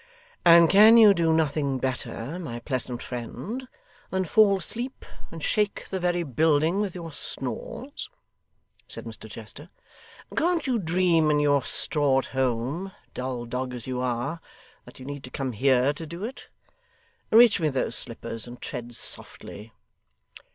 'And can you do nothing better, my pleasant friend, than fall asleep, and shake the very building with your snores?' said Mr Chester. 'Can't you dream in your straw at home, dull dog as you are, that you need come here to do it? Reach me those slippers, and tread softly.